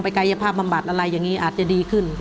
กายภาพบำบัดอะไรอย่างนี้อาจจะดีขึ้น